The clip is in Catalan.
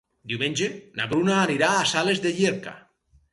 Diumenge na Bruna anirà a Sales de Llierca.